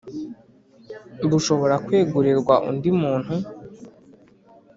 bushobora kwegurirwa undi muntu